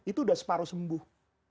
itu sudah separuh sembuh